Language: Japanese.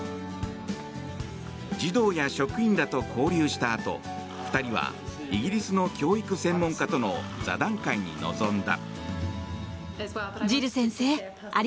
児童や職員らと交流したあと２人はイギリスの教育専門家との座談会に臨んだ。